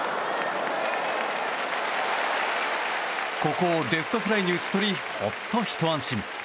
ここをレフトフライに打ち取りほっとひと安心。